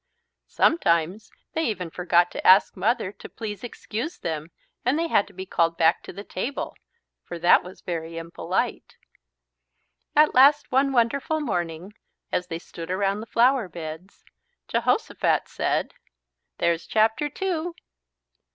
Sometimes they even forgot to ask Mother to "please excuse" them and they had to be called back to the table, for that was very impolite. At last one wonderful morning, as they stood around the flower beds, Jehosophat said: "There's Chapter Two!"